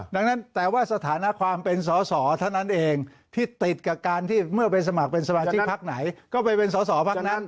ดังนั้นแต่ว่าสถานะความเป็นสอสอเท่านั้นเองที่ติดกับการที่เมื่อไปสมัครเป็นสมาชิกพักไหนก็ไปเป็นสอสอพักนั้น